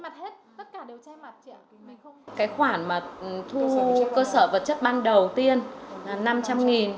cái khoản mà thu cơ sở vật chất ban đầu tiên là năm trăm linh nghìn